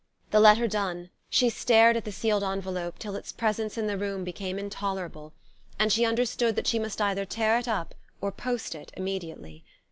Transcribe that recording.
The letter done, she stared at the sealed envelope till its presence in the room became intolerable, and she understood that she must either tear it up or post it immediately.